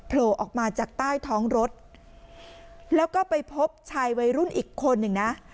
โผล่ออกมาจากใต้ท้องรถแล้วก็ไปพบชายวัยรุ่นอีกคนหนึ่งนะ